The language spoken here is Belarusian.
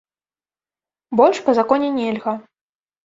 Больш па законе нельга.